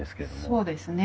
そうですね。